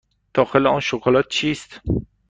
داخل آن شکلات چیست؟